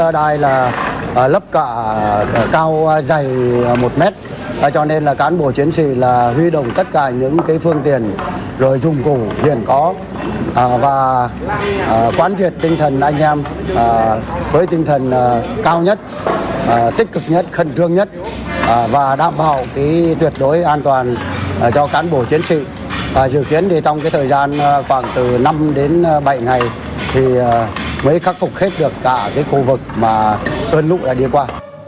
dự kiến trong thời gian khoảng từ năm đến bảy ngày mới khắc phục hết được cả khu vực cơn lũ đã đi qua